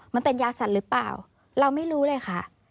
มันเป็นยาสัตว์หรือเปล่าเราไม่รู้เลยค่ะ